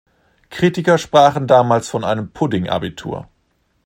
Kritiker sprachen damals von einem „Pudding-Abitur“.